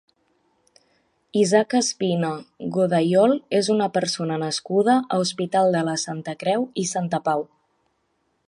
Isaac Espina Godayol és una persona nascuda a Hospital de la Santa Creu i Sant Pau.